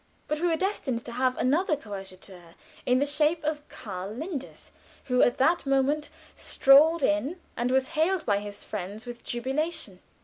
But we were destined to have yet another coadjutor in the shape of Karl Linders, who at that moment strolled in, and was hailed by his friends with jubilation.